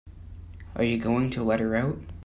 Are you going to let her out?